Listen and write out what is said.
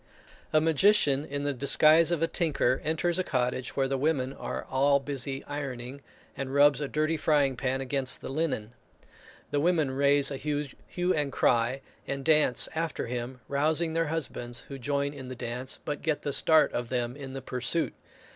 A magician, in the disguise of a tinker, enters a cottage where the women are all busy ironing, and rubs a dirty frying pan against the linen. The women raise a hue and cry, and dance after him, rousing their husbands, who join in the dance, but get the start of them in the pursuit.